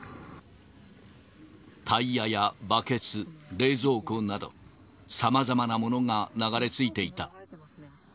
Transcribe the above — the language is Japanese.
タイヤやバケツ、冷蔵庫など、さまざまなものが流れ着いていた。